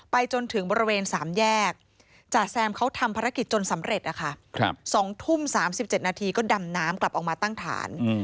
จนถึงบริเวณ๓แยกจ่าแซมเขาทำภารกิจจนสำเร็จนะคะ๒ทุ่ม๓๗นาทีก็ดำน้ำกลับออกมาตั้งฐาน